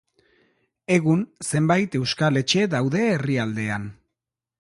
Egun zenbait euskal etxe daude herrialdean.